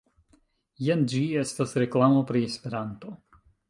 Jen ĝi, estas reklamo pri Esperanto